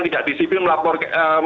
tidak disipil melaporkan